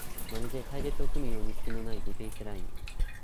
まるで隊列を組むようにすきのないディフェンスライン